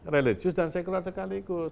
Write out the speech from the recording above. religius dan sekular sekaligus